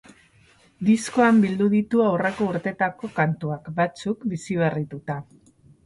Diskoan bildu ditu aurreko urtetako kantuak, batzuk biziberrituta.